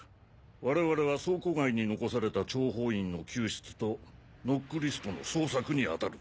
我々は倉庫街に残された諜報員の救出とノックリストの捜索に当たる。